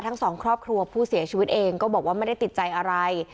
ทั้งสองครอบครัวผู้เสียชีวิตเองก็บอกว่าไม่ได้ติดใจอะไร